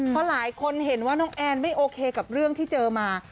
เพราะหลายคนเห็นว่าน้องแอนไม่โอเคกับเรื่องที่เจอมา